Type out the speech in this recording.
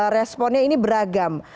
responnya ini beragam